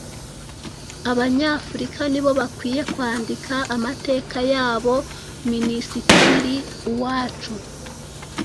Abanyafurika nibo bakwiye kwandika amateka yabo Minisitiri Uwacu